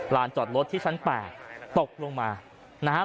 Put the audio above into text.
จอดรถที่ชั้น๘ตกลงมานะครับ